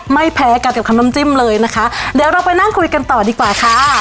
ใส่ไม่แพ้กับน้ำจิ้มเลยแล้วเราไปนั่งคุยกันต่อดีกว่าค่ะ